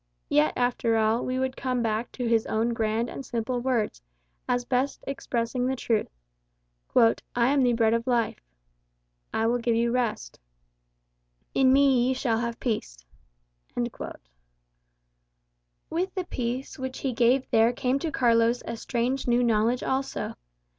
Yet, after all, we would come back to his own grand and simple words, as best expressing the truth: "I am the bread of life;" "I will give you rest;" "In me ye shall have peace." With the peace which he gave there came to Carlos a strange new knowledge also.